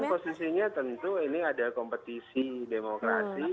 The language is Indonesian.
ya kan posisinya tentu ini ada kompetisi demokrasi